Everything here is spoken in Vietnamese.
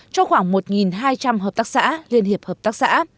cho khoảng một hai trăm linh hợp tác xã liên hiệp hợp tác xã